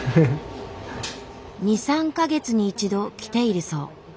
２３か月に１度来ているそう。